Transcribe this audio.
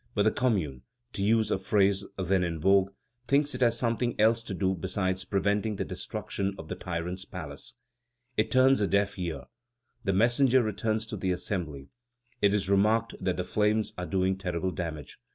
But the Commune, to use a phrase then in vogue, thinks it has something else to do besides preventing the destruction of the tyrant's palace. It turns a deaf ear. The messenger returns to the Assembly. It is remarked that the flames are doing terrible damage.